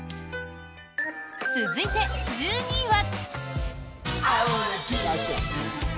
続いて、１２位は。